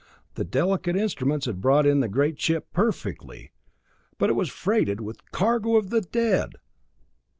The delicate instruments had brought in the great ship perfectly, but it was freighted with a cargo of dead!